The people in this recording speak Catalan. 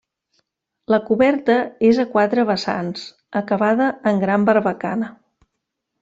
La coberta és a quatre vessants, acabada en gran barbacana.